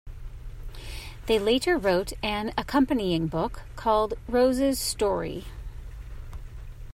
They later wrote an accompanying book called "Rose's Story".